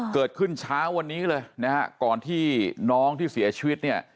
เกิดขึ้นเช้าวันนี้เลยนะฮะก่อนที่น้องที่เสียชีวิตเนี่ย